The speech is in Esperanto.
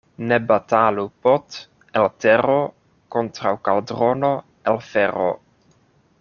Ne batalu pot' el tero kontraŭ kaldrono el fero.